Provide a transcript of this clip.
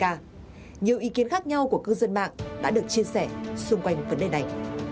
nhiều ý kiến khác nhau của cư dân mạng đã được chia sẻ xung quanh vấn đề này